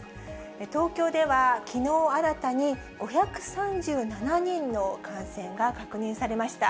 東京ではきのう新たに５３７人の感染が確認されました。